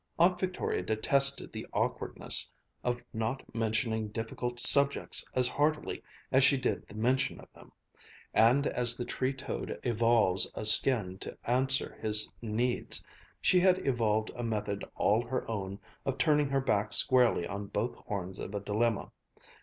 Aunt Victoria detested the awkwardness of not mentioning difficult subjects as heartily as she did the mention of them; and as the tree toad evolves a skin to answer his needs, she had evolved a method all her own of turning her back squarely on both horns of a dilemma.